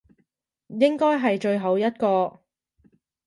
應該係最後一個